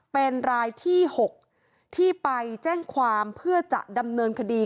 เป็นรายที่๖ที่ไปแจ้งความเพื่อจะดำเนินคดี